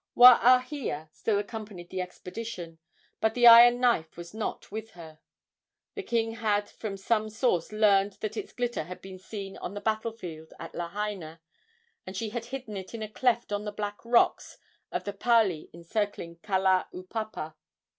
Waahia still accompanied the expedition. But the iron knife was not with her. The king had from some source learned that its glitter had been seen on the battle field at Lahaina, and she had hidden it in a cleft of the black rocks of the pali encircling Kalaupapa.